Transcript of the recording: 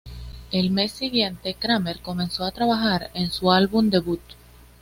El mes siguiente Kramer comenzó a trabajar en su álbum debut.